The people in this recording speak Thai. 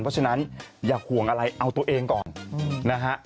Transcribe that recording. เพราะฉะนั้นอย่าห่วงอะไรเอาตัวเองก่อนนะฮะ